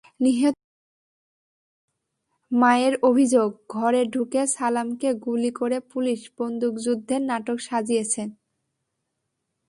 নিহত ব্যক্তির মায়ের অভিযোগ, ঘরে ঢুকে সালামকে গুলি করে পুলিশ বন্দুকযুদ্ধের নাটক সাজিয়েছে।